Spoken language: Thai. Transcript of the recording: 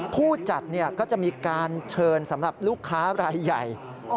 ผู้จัดก็จะมีการเชิญสำหรับลูกค้ารายใหญ่